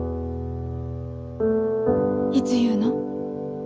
いつ言うの？